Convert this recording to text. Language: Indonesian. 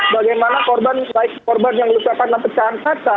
bagaimana korban baik korban yang luka karena pecahan kata